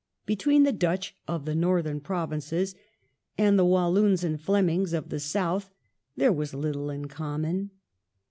Between the Dutch of the Northern Provinces and the Wal loons and Flemings of the South there was little in common.